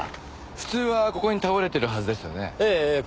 普通はここに倒れてるはずですよね。